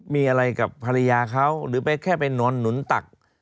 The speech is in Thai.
มีอะไรกับภรรยาเขาหรือไปแค่ไปนอนหนุนตัก